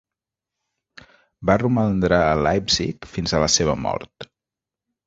Va romandre a Leipzig fins a la seva mort.